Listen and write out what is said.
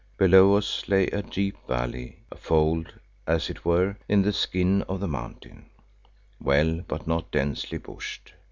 Below us lay a deep valley, a fold, as it were, in the skin of the mountain, well but not densely bushed.